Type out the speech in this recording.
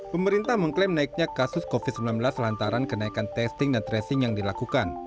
pemerintah mengklaim naiknya kasus covid sembilan belas lantaran kenaikan testing dan tracing yang dilakukan